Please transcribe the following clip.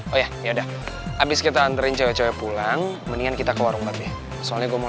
oh ya ya udah habis kita anterin cewek pulang mendingan kita ke warung tapi soalnya gua mau